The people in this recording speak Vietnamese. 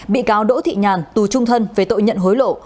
bị cáo đỗ thị nhàn tù trung thân về tội nhận hối lộ